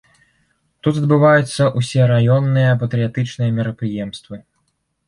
Тут адбываюцца ўсе раённыя патрыятычныя мерапрыемствы.